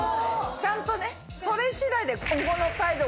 ちゃんとね。